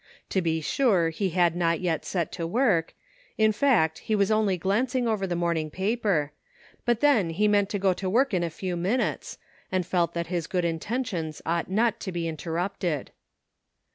To be sure he had not yet set to work ; in fact, he was only glancing over the morning paper, but then he meant to go to work in a few minutes, and felt that his good intentions ought not to be interrupted.